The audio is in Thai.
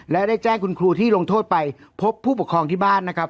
และได้แจ้งคุณครูที่ลงโทษไปพบผู้ปกครองที่บ้านนะครับ